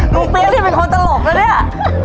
ลูกเปี๊ยรี่เป็นคนตลกแล้วเนี่ย